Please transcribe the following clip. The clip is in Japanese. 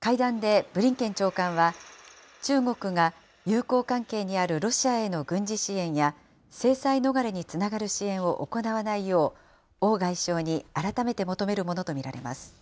会談でブリンケン長官は、中国が友好関係にあるロシアへの軍事支援や、制裁逃れにつながる支援を行わないよう、王外相に改めて求めるものと見られます。